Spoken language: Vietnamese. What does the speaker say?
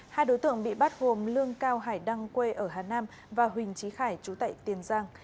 hai đối tượng bị bắt gồm lương cao hải đăng quê ở hà nam và huỳnh trí khải chú tại tiền giang